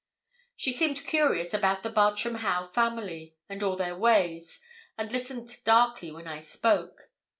She seemed curious about the Bartram Haugh family, and all their ways, and listened darkly when I spoke.